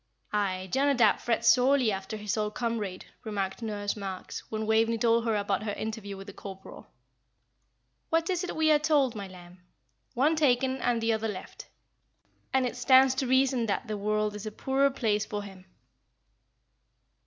"Aye, Jonadab frets sorely after his old comrade," remarked Nurse Marks, when Waveney told her about her interview with the corporal. "What is it we are told, my lamb? 'One taken and the other left'; and it stands to reason that the world is a poorer place for him."